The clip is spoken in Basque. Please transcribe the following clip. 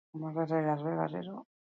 Amaitzeko, azken gogoeta.